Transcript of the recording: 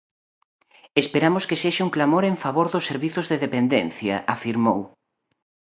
Esperamos que sexa un clamor en favor dos servizos de dependencia, afirmou.